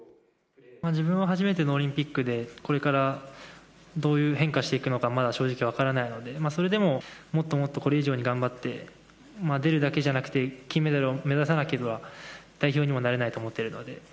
自分は初めてのオリンピックで、これからどういう変化していくのか、まだ正直分からないので、それでももっともっとこれ以上に頑張って、出るだけじゃなくて、金メダルを目指さなければ代表にもなれないと思ってるので。